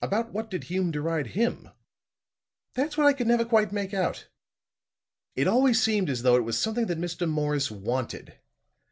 "About what did Hume deride him?" "That's what I never could quite make out. It always seemed as though it was something that Mr. Morris wanted.